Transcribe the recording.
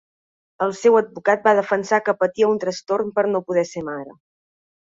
El seu advocat va defensar que patia un trastorn per no poder ser mare.